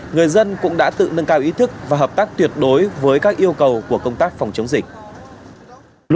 người dân cũng đã tự nâng cao ý thức và hợp tác tuyệt đối với các yêu cầu của công tác phòng chống dịch